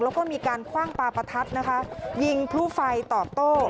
แล้วก็มีการคว่างปลาประทัดนะคะยิงพลุไฟตอบโต้